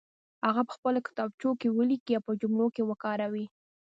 هغه په خپلو کتابچو کې ولیکئ او په جملو کې وکاروئ.